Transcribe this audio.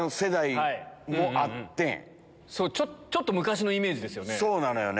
ちょっと昔のイメージですよね。